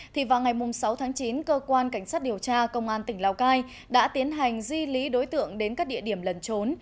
thì vào ngày sáu tháng chín cơ quan cảnh sát điều tra công an tỉnh lào cai đã tiến hành di lý đối tượng đến các địa điểm lần trốn